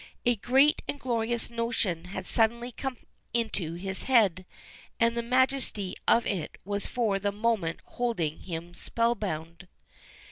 A great and glorious notion had suddenly come into his head, and the majesty of it was for the moment holding him spellbound.